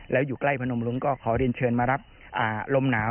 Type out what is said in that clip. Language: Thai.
แล้วอยู่ใกล้พนมรุ้งก็ขอเรียนเชิญมารับลมหนาว